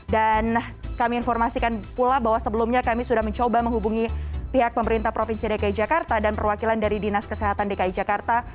dan kami informasikan pula bahwa sebelumnya kami sudah mencoba menghubungi pihak pemerintah provinsi dki jakarta dan perwakilan dari dinas kesehatan dki jakarta